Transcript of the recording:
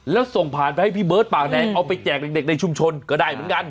แล้วส่งผ่านไปให้พี่เบิร์ดปากแดงเอาไปแจกเด็กในชุมชนก็ได้เหมือนกัน